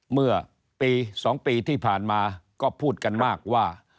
เมื่อปี๒ปีที่ผ่านมาก็พูดกันมากว่า